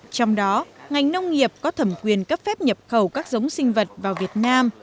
trong đó ngành nông nghiệp có thẩm quyền cấp phép nhập khẩu các giống sinh vật vào việt nam